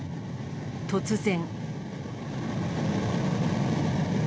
突然。